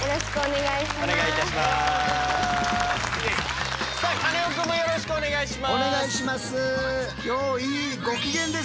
お願いします。